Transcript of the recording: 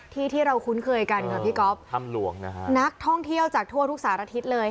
ที่ที่เราคุ้นเคยกันเหรอพี่ก๊อฟถ้ำหลวงนะคะนักท่องเที่ยวจากทั่วทุกศาสตร์อาทิตย์เลย